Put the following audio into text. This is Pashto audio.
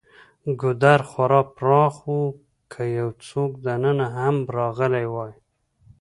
ګودر خورا پراخ و، که یو څوک دننه هم راغلی وای.